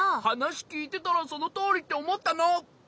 はなしきいてたらそのとおりっておもったの！